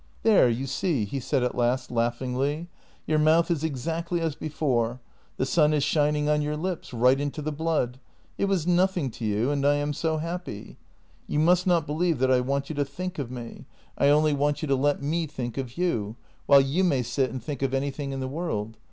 " There, you see," he said at last laughingly, " your mouth is exactly as before; the sun is shining on your lips, right into the blood. It was nothing to you — and I am so happy. You must not believe that I want you to think of me — I only want 86 JENNY you to let me think of you, while you may sit and think of anything in the world.